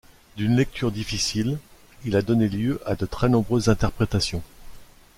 D'une lecture difficile, il a donné lieu à de très nombreuses interprétations.